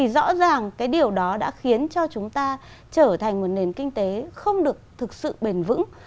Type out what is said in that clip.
rõ ràng cái điều đó đã khiến cho chúng ta trở thành một nền kinh tế không được thực sự bền vững